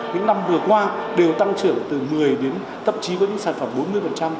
những năm vừa qua đều tăng trưởng từ một mươi đến tập trí với những sản phẩm bốn mươi